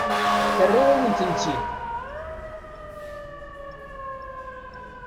Terra-yawen-tent-id.